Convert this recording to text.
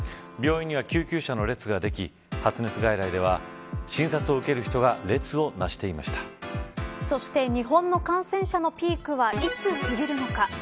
病院には、救急車の列ができ発熱外来では診察を受ける人が列そして日本の感染者のピークはいつ過ぎるのか。